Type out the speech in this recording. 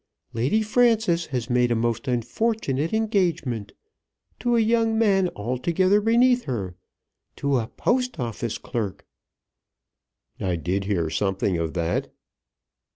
Lady Frances has made a most unfortunate engagement, to a young man altogether beneath her, to a Post Office clerk!" "I did hear something of that."